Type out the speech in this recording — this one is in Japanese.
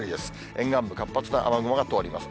沿岸部、活発な雨雲が通ります。